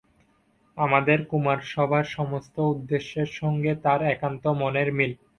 আমাদের কুমারসভার সমস্ত উদ্দেশ্যের সঙ্গে তাঁর একান্ত মনের মিল।